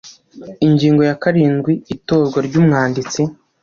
Ingingo ya karindwi Itorwa ry umwanditsi